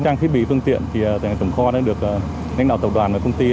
trang thiết bị phương tiện thì tổng kho đã được đánh đạo tổng đoàn và công ty